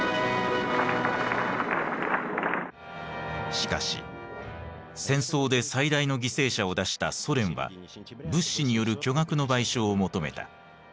しかし戦争で最大の犠牲者を出したソ連は物資による巨額の賠償を求めた。